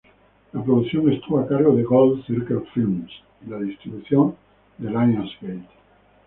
La producción estuvo a cargo del Gold Circle Films, y la distribución, de Lionsgate.